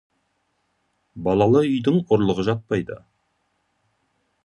Балалы үйдің ұрлығы жатпайды.